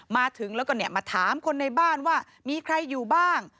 มาถึงแล้วก็มาถามคนในบ้านว่ามีใครอยู่บ้าง